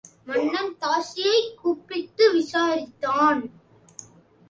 மன்னன் தாசியைக் கூப்பிட்டு விசாரித்தான்.